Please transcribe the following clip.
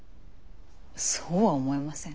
そうは思えません。